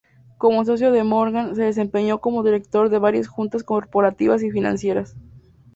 Como socio de Morgan, se desempeñó como director de varias juntas corporativas y financieras.